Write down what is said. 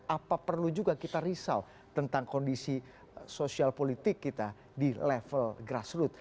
apa perlu juga kita risau tentang kondisi sosial politik kita di level grassroot